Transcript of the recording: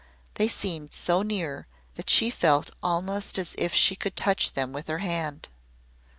They seemed so near that she felt almost as if she could touch them with her hand.